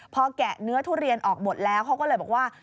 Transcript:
พอแกะเนื้อทุเรียนออกหมดแล้วเขาก็เลยบอกว่า